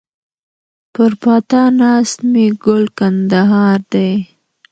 پر پاتا ناست مي ګل کندهار دی